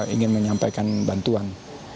ingin menyampaikan bantuan